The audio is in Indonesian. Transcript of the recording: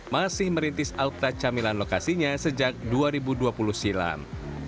masih merintis alkta camilan lokasinya sejak dua ribu dua puluh silam